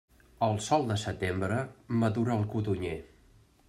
El sol de setembre madura el codonyer.